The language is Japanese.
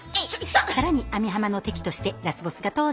更に網浜の敵としてラスボスが登場。